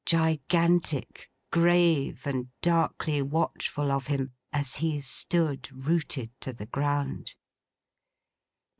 Gigantic, grave, and darkly watchful of him, as he stood rooted to the ground.